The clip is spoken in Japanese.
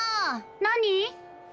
何？